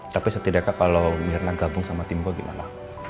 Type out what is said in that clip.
tapi setidaknya kalau mirna gabung sama tim go gimana